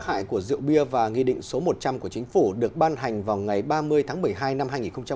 các hại của rượu bia và nghị định số một trăm linh của chính phủ được ban hành vào ngày ba mươi tháng một mươi hai năm hai nghìn một mươi chín